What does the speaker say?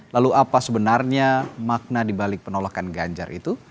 lalu apa sebenarnya makna dibalik penolakan ganjar itu